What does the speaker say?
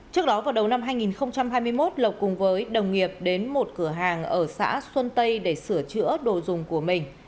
trước đó vào đầu năm hai nghìn hai mươi một lộc cùng với đồng nghiệp đến một cửa hàng ở xã xuân tây để sửa chữa đồ dùng của mình